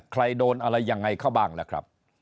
ใครโดนอะไรยังไงเข้าบ้างล่ะครับ